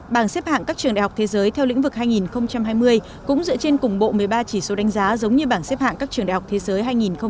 bảng xếp hạng các trường đại học thế giới theo lĩnh vực hai nghìn hai mươi cũng dựa trên cùng bộ một mươi ba chỉ số đánh giá giống như bảng xếp hạng các trường đại học thế giới hai nghìn hai mươi